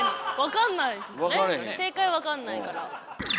正解わかんないから。